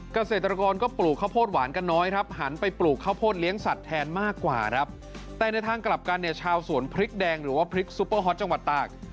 เกษตรกรก็ปลูกข้าวโพดหวานกันน้อยครับหันไปปลูกข้าวโพดเลี้ยงสัตว์แทนมากกว่าครับแต่ในทางกลับกันเนี่ยชาวสวนพริกแดงหรือว่าพริกซุปเปอร์ฮอตจังหวัดตาก